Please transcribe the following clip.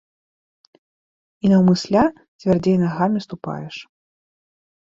І наўмысля цвярдзей нагамі ступаеш.